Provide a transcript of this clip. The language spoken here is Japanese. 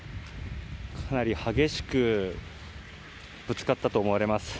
かなり激しくぶつかったと思われます。